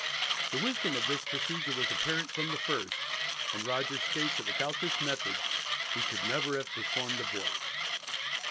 The wisdom of this procedure was apparent from the first, and Rogers states that without this method "we could never have performed the voyage."